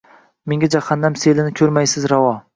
Menga Jahannam selini ko’rmaysiz ravo